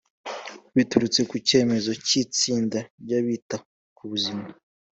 biturutse ku cyemezo cy itsinda ry abita ku buzima